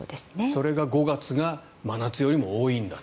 それが５月が真夏よりも多いんだと。